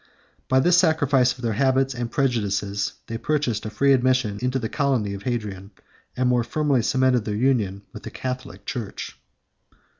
By this sacrifice of their habits and prejudices, they purchased a free admission into the colony of Hadrian, and more firmly cemented their union with the Catholic church.